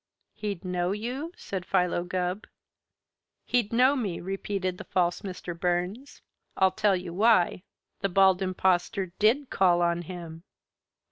"He'd know you?" said Philo Gubb. "He'd know me," repeated the false Mr. Burns. "I'll tell you why. The Bald Impostor did call on him."